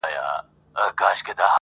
پاچا په دې پيښي سخت غمجن سو.